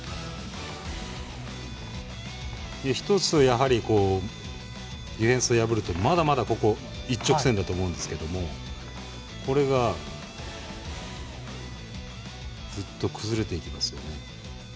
１つ、ディフェンスを破るとまだまだ、一直線だと思うんですけれどもこれがずっと崩れていきますよね。